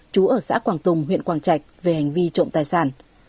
chú ở xã quảng tùng huyện quảng trạch về hành vi trộm tài sản